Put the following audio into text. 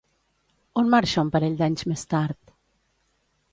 On marxa un parell d'anys més tard?